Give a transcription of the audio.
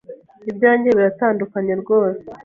Ibyanjye biratandukanye rwose.